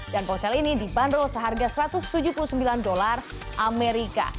dan ponsel ini dibanderol seharga satu ratus tujuh puluh sembilan dolar amerika